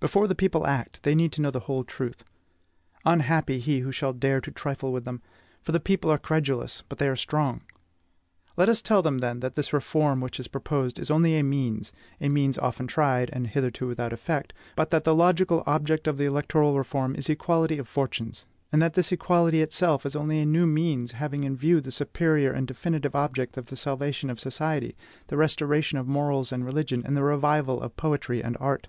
Before the people act, they need to know the whole truth. Unhappy he who shall dare to trifle with them! For the people are credulous, but they are strong. Let us tell them, then, that this reform which is proposed is only a means, a means often tried, and hitherto without effect, but that the logical object of the electoral reform is equality of fortunes; and that this equality itself is only a new means having in view the superior and definitive object of the salvation of society, the restoration of morals and religion, and the revival of poetry and art.